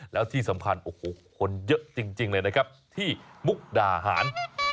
แล้วที่สำคัญโอ้โหคนเยอะจริงเลยนะครับที่มุกดาหาร